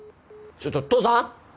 ちょっと父さん？